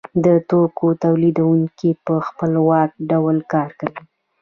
د توکو تولیدونکی په خپلواک ډول کار کوي